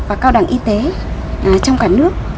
và cao đẳng y tế trong cả nước